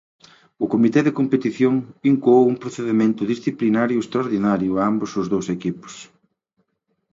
O Comité de Competición incoou un procedemento disciplinario extraordinario a ambos os dous equipos.